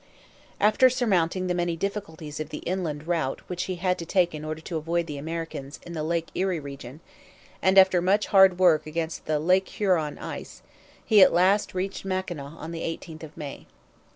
After surmounting the many difficulties of the inland route which he had to take in order to avoid the Americans in the Lake Erie region, and after much hard work against the Lake Huron ice, he at last reached Mackinaw on the 18th of May.